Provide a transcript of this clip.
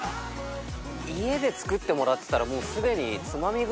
家で作ってもらってたら既に。